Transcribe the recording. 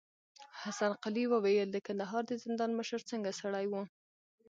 حسن قلي وويل: د کندهار د زندان مشر څنګه سړی و؟